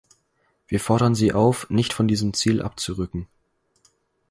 Wir fordern Sie auf, nicht von diesem Ziel abzurücken.